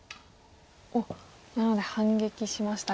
おっなので反撃しましたか。